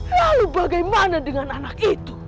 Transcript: lalu bagaimana dengan anak itu